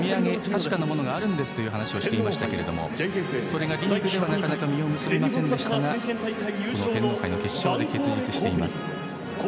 確かなものがあるんですと話をしてくれたんですがそれがリーグでは実を結びませんでしたがこの天皇杯の決勝で結実しています。